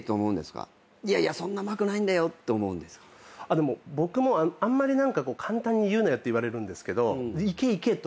でも僕も「あんまり簡単に言うなよ」って言われるんですけど。